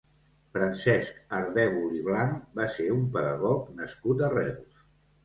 Francesc Ardèvol i Blanch va ser un pedagog nascut a Reus.